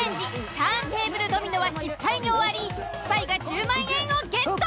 ターンテーブルドミノは失敗に終わりスパイが１０万円をゲット。